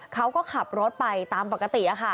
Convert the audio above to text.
เขาก็ขับรถไปตามปกติ